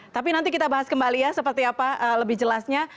tapi nanti kita bahas kembali ya seperti apa lebih jelasnya